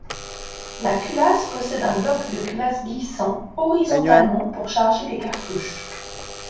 La culasse possède un bloc de culasse glissant horizontalement pour charger les cartouches.